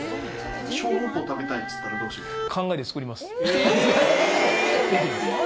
小籠包食べたいって言ったら考えて作ります。